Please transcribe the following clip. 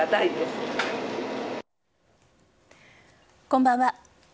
こんばんは。